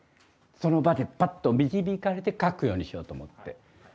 その場でパッと導かれて描くようにしようと思って。